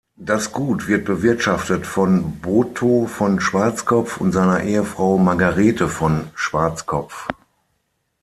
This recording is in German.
Das Gut wird bewirtschaftet von Botho von Schwarzkopf und seiner Ehefrau Margarete von Schwarzkopf.